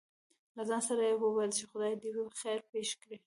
له ځان سره يې وويل :چې خداى دې خېر پېښ کړي.